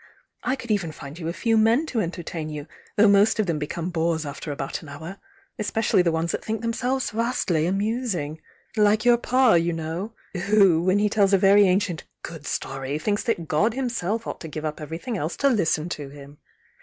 I could even find you a .'ew men to entertain you, though most of them become bores after about an hour— especially the ones that think themselves vastly amusing. Like your Pa, you know I— who, when he tells a very ancient 'good story, thmks that God Himself ought to give up evervthing else to listen to him!